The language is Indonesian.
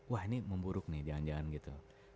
wah ini memburuk nih jangan jangan gitu